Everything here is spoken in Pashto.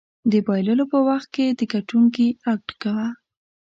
د بایللو په وخت کې د ګټونکي اکټ کوه.